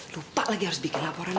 lupa lagi harus bikin laporan